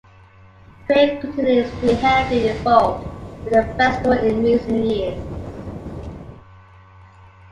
Craig continues to be heavily involved with the festival in recent years.